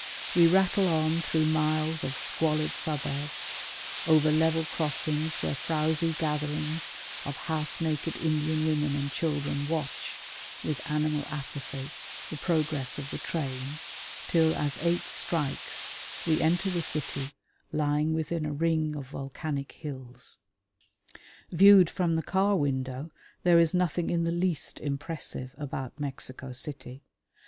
We rattle on through miles of squalid suburbs, over level crossings where frowsy gatherings of half naked Indian women and children watch, with animal apathy, the progress of the train, till as eight strikes we enter the city lying within a ring of volcanic hills. Viewed from the car window there is nothing in the least impressive about Mexico City.